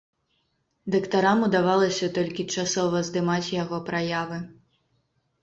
Дактарам удавалася толькі часова здымаць яго праявы.